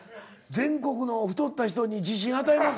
全国の太った人に自信与えますよね。